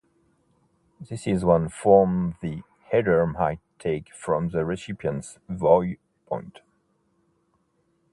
This is one form the header might take from the recipient's viewpoint.